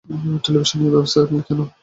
টেলিভিশনে এই ব্যবস্থা নেই কেন?